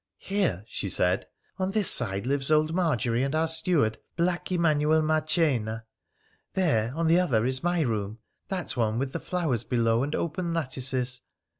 ' Here,' she said, ' on this side lives old Margery and our steward, black Emanuel Marchena ; there, on the other, is my room — that one with the flowers below and open lattices.